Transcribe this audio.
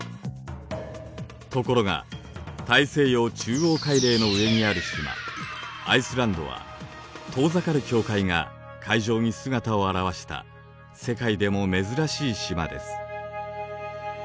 ところが大西洋中央海嶺の上にある島アイスランドは遠ざかる境界が海上に姿を現した世界でも珍しい島です。